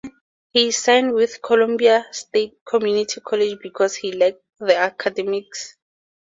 He signed with Columbia State Community College because he liked the academics.